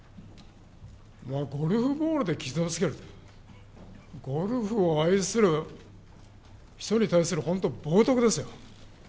ゴルフボールで傷をつけると、ゴルフを愛する人に対する本当、冒とくですよ。